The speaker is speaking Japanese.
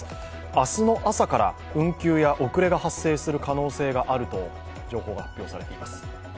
明日の朝から運休や遅れが発生する可能性があると情報が発表されています。